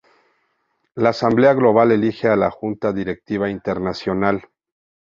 La Asamblea Global elige a la Junta Directiva Internacional.